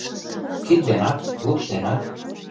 Кид денат, лупш денат.